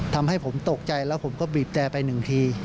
ทำให้ผมตกใจแล้วผมก็บีบแต่ไปหนึ่งที